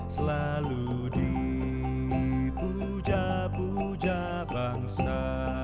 selalu dipuja puja bangsa